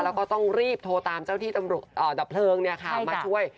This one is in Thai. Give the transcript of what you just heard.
แล้วก็ต้องรีบโทรตามเจ้าที่ดับเพลิงมาช่วย